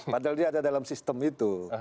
padahal dia ada dalam sistem itu